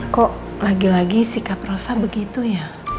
kok lagi lagi sikap rosa begitu ya